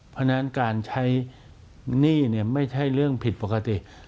เพราะฉะนั้นการใช้หนี้ไม่ใช่เรื่องผิดปกติ